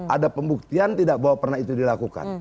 ada pembuktian tidak bahwa pernah itu dilakukan